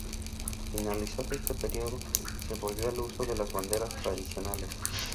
Finalizado este periodo, se volvió al uso de las banderas tradicionales.